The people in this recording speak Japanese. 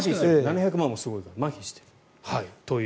７００万もすごいからまひしている。